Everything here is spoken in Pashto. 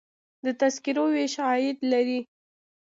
د تذکرو ویش عاید لري